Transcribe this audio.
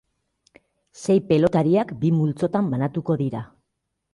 Sei pelotariak bi multzotan banatuko dira.